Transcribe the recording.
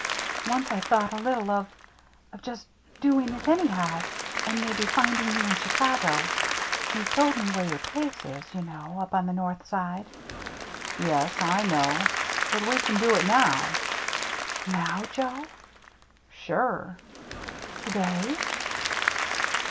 Once I thought a little of — of just doing it anyhow, and maybe THE CIRCLE MARK iii finding you in Chicago. You've told me where your plaee is, you know, up on the north side. " Yes, I know, but we can do it now. "Now, Joe? « Sure." "To day?